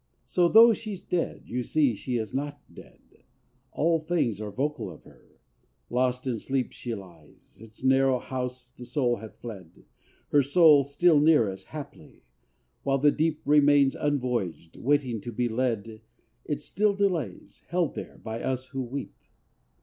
So, though she's dead, you see she is not dead: All things are vocal of her: lost in sleep She lies: its narrow house the soul hath fled; Her soul, still near us, haply; while the deep Remains unvoyaged: waiting to be led It still delays, held here by us who weep.